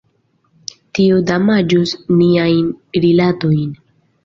Tio damaĝus niajn rilatojn.